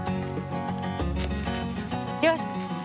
よし！